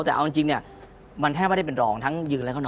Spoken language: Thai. แต่เอาจริงนี่มันแทบว่าได้เป็นรองทั้งยืนแล้วก็นอน